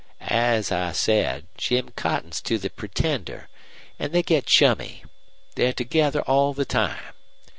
"As I said, Jim cottons to the pretender, an' they get chummy. They're together all the time.